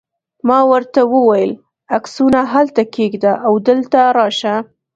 ما ورته وویل: عکسونه هلته کښېږده او دلته راشه.